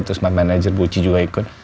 terus my manager buci juga ikut